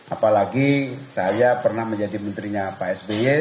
apalagi saya pernah menjadi menterinya pak sby